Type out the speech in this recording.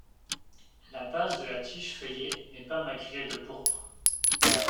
La base de la tige feuillée n'est pas maculée de pourpre.